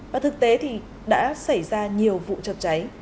và thực tế thì đã xảy ra nhiều vụ chập cháy